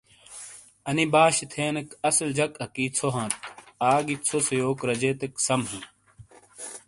انی باشی تھینیک اصل جک اکی ژھو ہانت آگی ژھو سے یوک گہ رجیتیک سم ہِیں